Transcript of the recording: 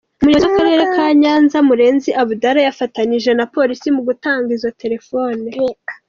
Umuyobozi w’akarere ka Nyanza Murenzi Abdallah yafatanyije na polisi mu gutanga izo telefoni.